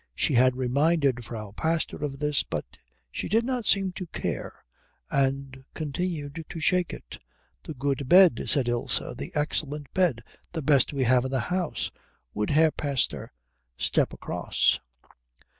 She had reminded Frau Pastor of this, but she did not seem to care and continued to shake it. "The good bed," said Ilse, "the excellent bed. The best we have in the house. Would Herr Pastor step across?"